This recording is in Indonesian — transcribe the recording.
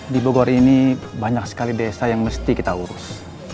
di bogor ini banyak sekali desa yang mesti kita urus